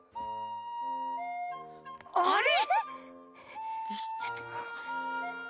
あれ？